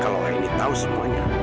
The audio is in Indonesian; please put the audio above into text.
kalau aini tahu semuanya